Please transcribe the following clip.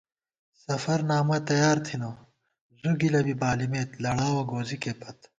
سفرنامہ تیار تھنہ، زُو گِلہ بی بالِمېت لڑاوَہ گوزِکےپت